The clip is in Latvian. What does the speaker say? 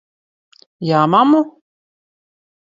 Jā, mammu?